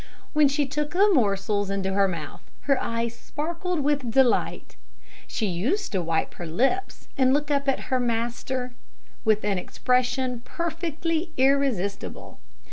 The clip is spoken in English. When she took the morsels into her mouth, her eyes sparkled with delight. She used to wipe her lips, and look up at her master with a coquetterie perfectly irresistible.